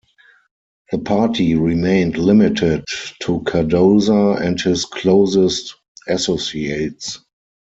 The party remained limited to Cardoza and his closest associates.